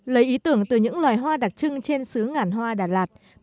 lấy ý tưởng từ những loài hoa đặc trưng trên xứ ngàn hoa đà lạt